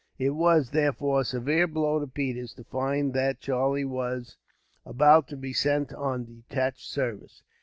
It was, therefore, a severe blow to Peters, to find that Charlie was about to be sent on detached service.